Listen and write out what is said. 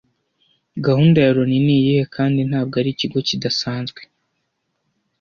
Gahunda ya Loni niyihe kandi ntabwo ari ikigo kidasanzwe